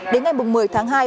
đến ngày một mươi tháng hai